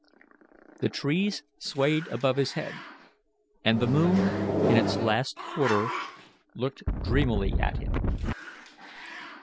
The trees swayed above his head, and the moon, in its last quarter, looked dreamily at him.